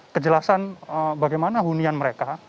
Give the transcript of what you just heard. kejelasan bagaimana hunian mereka